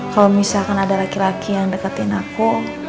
kalau misalkan ada laki laki yang deketin aku